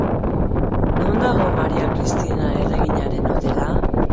Non dago Maria Kristina erreginaren hotela?